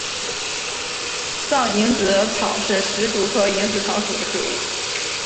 藏蝇子草是石竹科蝇子草属的植物。